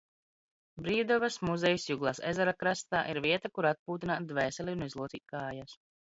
Br?vdabas muzejs Juglas ezera krast? ir vieta, kur atp?tin?t dv?seli un izloc?t k?jas.